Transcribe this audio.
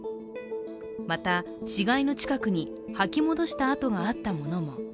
また死骸の近くに吐き戻したあとがあったものも。